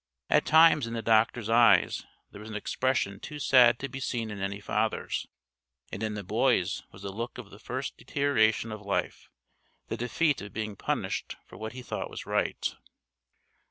At times in the doctor's eyes there was an expression too sad to be seen in any father's; and in the boy's was the look of the first deterioration in life the defeat of being punished for what he thought was right.